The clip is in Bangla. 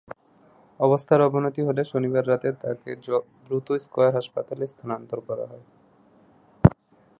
অবস্থার অবনতি হলে শনিবার রাতে তাঁকে দ্রুত স্কয়ার হাসপাতালে স্থানান্তর করা হয়।